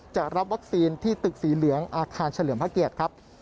จะรับวัคซีนที่ตึกสีเหลืองอาคารเฉลิมพระเกียรติครับ